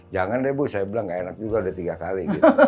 jangan deh bu saya bilang gak enak juga udah tiga kali